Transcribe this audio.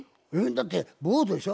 だってボートでしょ？